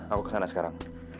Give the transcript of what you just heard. aku kesana sekarang